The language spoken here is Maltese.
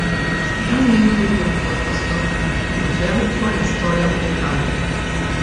Dan jinkludi wkoll fost l-oħrajn Mużew dwar l-Istorja Militari.